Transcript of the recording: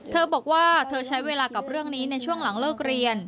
เธอบอกว่าเธอใช้เวลากับเรื่องนี้ในช่วงหลังเลิกเรียน